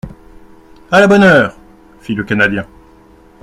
—A la bonne heure ! fit le Canadien.